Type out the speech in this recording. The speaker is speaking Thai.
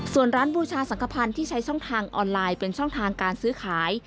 ส่วนร้านบูชาสังขพันธ์ที่ใช้ช่องทางออนไลน์เป็นช่องทางการซื้อขาย